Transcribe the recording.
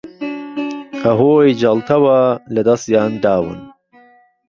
ەهۆی جەڵتەوە لەدەستیان داون